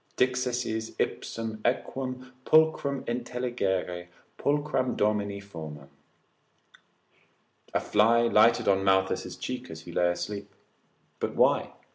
dixisses ipsum equum pulchrum intelligere pulchram domini fomam? A fly lighted on Malthius' cheek as he lay asleep; but why?